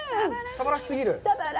サバらしすぎる？